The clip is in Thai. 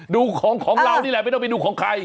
ดูของเรานี่แหละไม่ต้องไปดูของใคร